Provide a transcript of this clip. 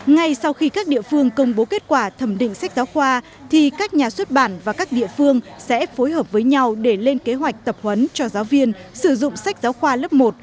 ngay sau khi các địa phương công bố kết quả thẩm định sách giáo khoa thì các nhà xuất bản và các địa phương sẽ phối hợp với nhau để lên kế hoạch tập huấn cho giáo viên sử dụng sách giáo khoa lớp một